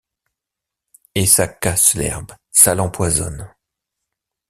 Et ça casse l’herbe, ça l’empoisonne.